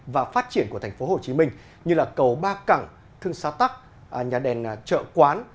và phát triển của tp hcm như là cầu ba cẳng thương xa tắc nhà đèn chợ quán